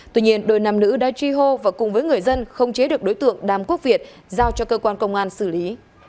tuy nhiên đôi nam nữ đã truy hô và cùng với người dân không chế được đối tượng đàm quốc việt giao cho cơ quan công an xử lý